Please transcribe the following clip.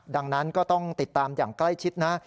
ดังนั้นก็ต้องติดตามอย่างใกล้ชิดนะ